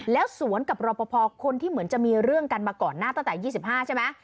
แล้วสวนกับรอปภคนที่เหมือนจะมีเรื่องกันมาก่อนหน้าตั้งแต่๒๕ใช่ไหม